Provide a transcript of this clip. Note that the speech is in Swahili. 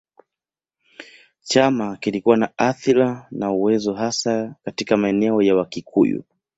Chama kilikuwa na athira na uwezo hasa katika maeneo ya Wakikuyu.